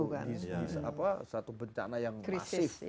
ini kan satu bencana yang masif